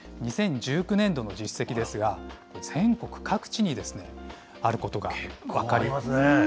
２０１９年度の実績ですが、全国各地にあることが分かりますよね。